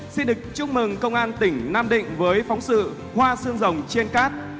xin được chúc mừng công an tỉnh nam định với phóng sự hoa sương rồng trên cát